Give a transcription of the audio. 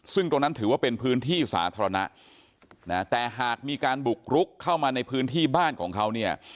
ซึ่งตรงนั้นถือว่าเป็นพื้นที่สาธารณะนะแต่หากมีการบุกรุกเข้ามาในพื้นที่บ้านของเขาเนี่ย